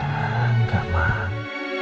enggak enggak mak